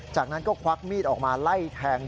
จากนั้นก็ควักมีดออกมาไล่แทง